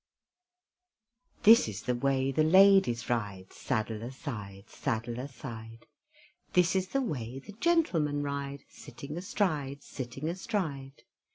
This is the way the ladies ride Saddle a side, saddle a side! This is the way the gentlemen ride Sitting astride, sitting astride!